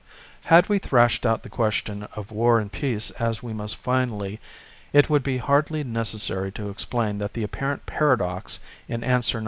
Had we thrashed out the question of war and peace as we must finally, it would hardly be necessary to explain that the apparent paradox in Answer No.